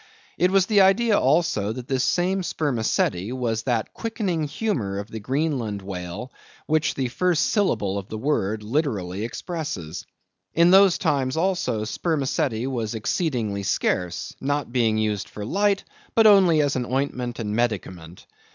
It was the idea also, that this same spermaceti was that quickening humor of the Greenland Whale which the first syllable of the word literally expresses. In those times, also, spermaceti was exceedingly scarce, not being used for light, but only as an ointment and medicament.